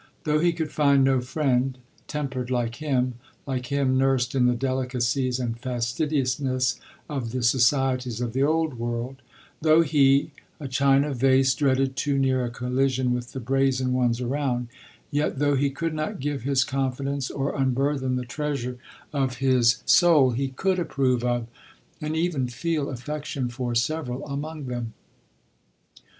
Though he could find no friend, tempered like him, like him nursed in the delicacies and fastidiousness of the societies of the old world; — though he, a china vase, dreaded too near a collision with the brazen ones around; yet, though he could not give his confidence, or unburthen the treasure of hi 24 LODORE. soul, he could approve of, and even feel affec tion for several among them.